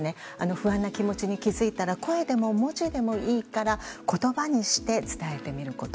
不安な気持ちに気づいたら声でも文字でもいいから言葉にして伝えてみること。